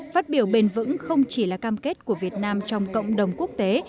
phát biểu bền vững không chỉ là cam kết của việt nam trong cộng đồng quốc tế